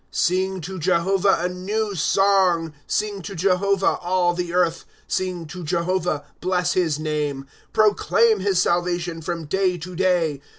^ Sing to Jehovah a new song ; Sing to Jehovah, all the earth, ' Sing to Jehovah, bless his name ; Proclaim his salvation from day to day.